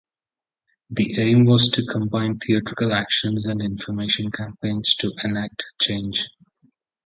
The aim was to combine theatrical actions and information campaigns to enact change.